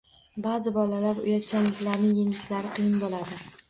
Baʼzi bolalar uyatchanliklarini yengishlari qiyin bo‘ladi